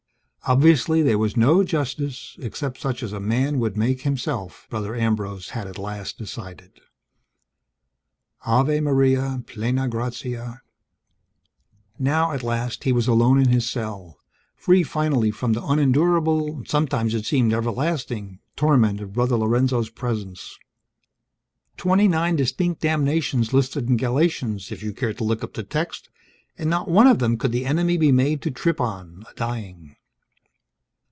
Obviously, there was no justice, except such as man would make himself, Brother Ambrose had at last decided. Ave Maria, plena gratia. Now at last, he was alone in his cell, free finally from the unendurable (sometimes it seemed everlasting) torment of Brother Lorenzo's presence. Twenty nine distinct damnations listed in Galatians, if you cared to look up the text; and not one of them could the enemy be made to trip on, a dying.